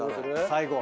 最後。